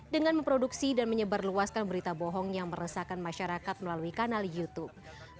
dengan memproduksi dan menyebarluaskan berita bohong yang meresahkan masyarakat melalui kanal youtube